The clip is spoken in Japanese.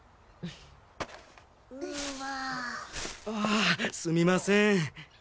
あすみません。